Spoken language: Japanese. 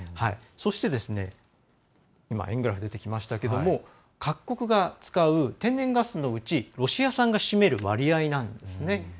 そして、円グラフ出てきましたけれども各国が使う天然ガスのうちロシア産が占める割合なんですね。